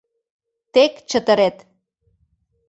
Тек чытырет.